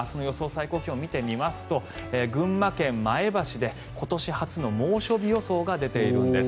最高気温を見てみると群馬県前橋で、今年初の猛暑日予想が出ているんです。